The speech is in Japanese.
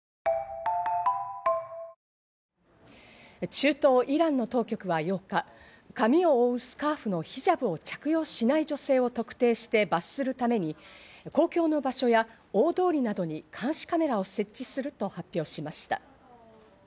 中東イランの当局は８日、髪を覆うスカーフのヒジャブを着用しない女性を特定して罰するために公共の場所や大通りなどに、監視カメラを設置すると発表しました。